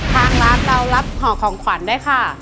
ทางร้านเรารับห่อของขวัญได้ค่ะ